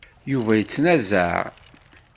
Yuba yettnazaɛ.